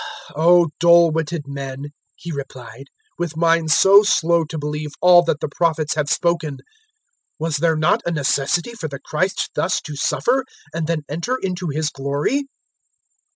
024:025 "O dull witted men," He replied, "with minds so slow to believe all that the Prophets have spoken! 024:026 Was there not a necessity for the Christ thus to suffer, and then enter into His glory?"